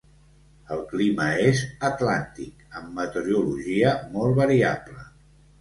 El clima és atlàntic, amb meteorologia molt variable.